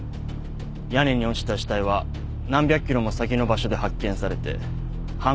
屋根に落ちた死体は何百キロも先の場所で発見されて犯行現場が特定できない。